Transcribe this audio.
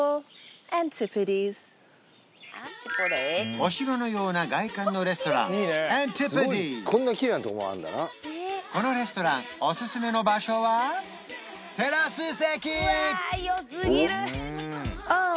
お城のような外観のこのレストランおすすめの場所はテラス席！